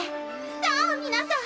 さあ皆さん！